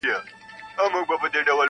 وو حاکم مګر مشهوره په امیر وو-